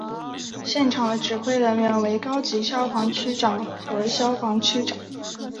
现场的指挥人员为高级消防区长和消防区长。